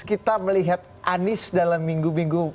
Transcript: kita melihat anies dalam minggu minggu